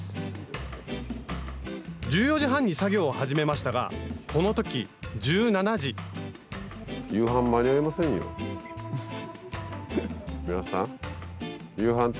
１４時半に作業を始めましたがこの時１７時皆さんアハハハ。